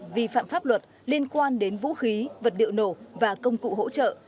vi phạm pháp luật liên quan đến vũ khí vật liệu nổ và công cụ hỗ trợ